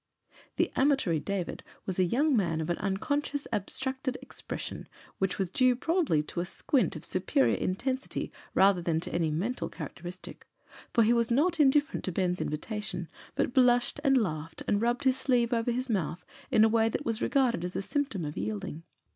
'" The amatory David was a young man of an unconscious abstracted expression, which was due probably to a squint of superior intensity rather than to any mental characteristic; for he was not indifferent to Ben's invitation, but blushed and laughed and rubbed his sleeve over his mouth in a way that was regarded as a symptom of yielding.